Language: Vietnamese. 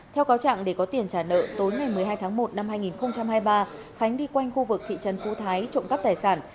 theo cáo trạng để có tiền trả nợ tối ngày một mươi hai tháng một năm hai nghìn hai mươi ba khánh đi quanh khu vực thị trấn phú thái trộm cắp tài sản